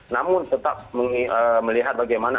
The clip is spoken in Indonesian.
namun tetap melihat bagaimana